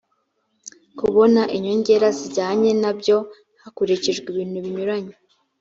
kubona inyongera zijyanye na byo hakurikijwe ibintu binyuranye